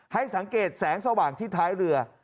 ให้สังเกตแสงสว่างที่ท้ายเรือ